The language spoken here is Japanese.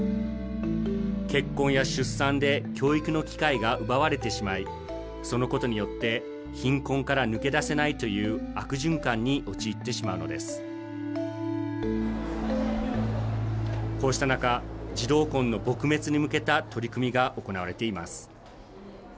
結婚や出産で教育の機会が奪われてしまいそのことによって貧困から抜け出せないという悪循環に陥ってしまうのですこうした中児童婚の撲滅に向けた取り組みが行われています